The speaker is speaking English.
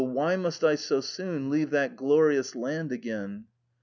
why must I so soon leave that glorious land again